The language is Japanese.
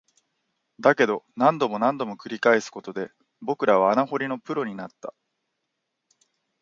だけど、何度も何度も繰り返すことで、僕らは穴掘りのプロになった